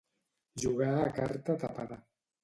Jugar a carta tapada.